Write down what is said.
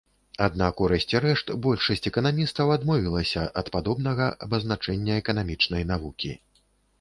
Аднак, у рэшце рэшт, большасць эканамістаў адмовілася ад падобнага абазначэння эканамічнай навукі.